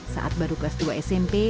saat baru kelas dua smp